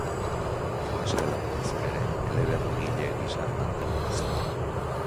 Poesia landu bazuen ere, eleberrigile gisa nabarmendu zen.